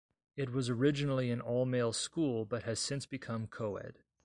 It was originally an all-male school, but has since become co-ed.